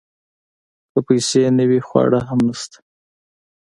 که پیسې نه وي خواړه هم نشته .